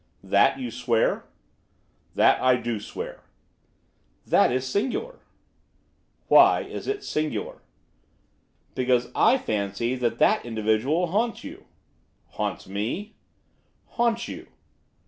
'That you swear?' 'That I do swear.' 'That is singular.' 'Why is it singular?' 'Because I fancy that that individual haunts you.' 'Haunts me?' 'Haunts you.